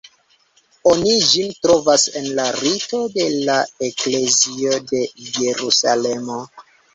Oni ĝin trovas en la Rito de la Eklezio de Jerusalemo.